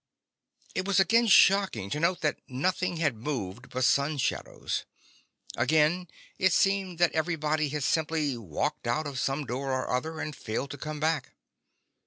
It was again shocking to note that nothing had moved but sun shadows. Again it seemed that everybody had simply walked out of some door or other and failed to come back.